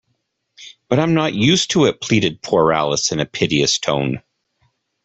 ‘But I’m not used to it!’ pleaded poor Alice in a piteous tone.